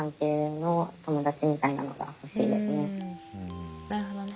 んなるほどね。